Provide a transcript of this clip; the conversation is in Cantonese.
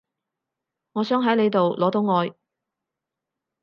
我想喺你度攞到愛